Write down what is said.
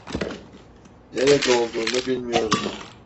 Nerede olduğunu bilmiyoruz.